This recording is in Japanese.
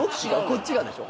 こっちがでしょ？